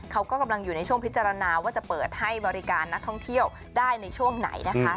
เขาก็กำลังอยู่ในช่วงพิจารณาว่าจะเปิดให้บริการนักท่องเที่ยวได้ในช่วงไหนนะคะ